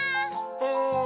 うん。